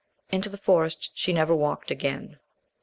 Into the Forest she never walked again.